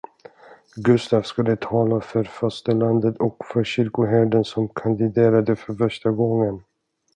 Gustav skulle tala för fosterlandet och för kyrkoherden som kandiderade för första gången.